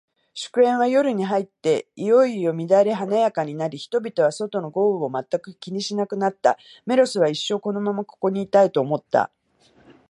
祝宴は、夜に入っていよいよ乱れ華やかになり、人々は、外の豪雨を全く気にしなくなった。メロスは、一生このままここにいたい、と思った。